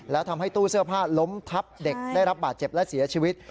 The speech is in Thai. แล้วทำให้ตู้เสื้อผ้าล้มทับเด็กได้รับบาดเจ็บและเสียชีวิต